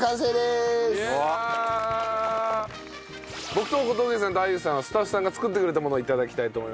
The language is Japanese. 僕と小峠さんと安優さんはスタッフさんが作ってくれたものを頂きたいと思います。